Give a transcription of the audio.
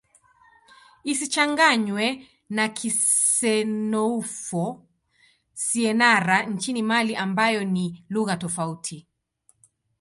Isichanganywe na Kisenoufo-Syenara nchini Mali ambayo ni lugha tofauti.